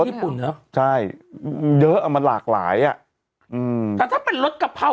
ญี่ปุ่นเนอะใช่เยอะอ่ะมันหลากหลายอ่ะอืมแต่ถ้าเป็นรสกะเพรา